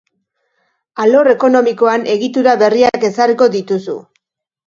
Alor ekonomikoan egitura berriak ezarriko dituzu.